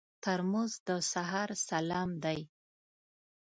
ترموز د سهار سلام دی.